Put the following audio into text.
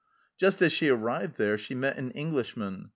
Just as she arrived there she met an Englishman.